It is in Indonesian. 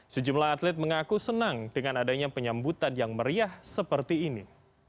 sejumlah atlet mengaku senang dengan adanya penyambutan yang meriah seperti ini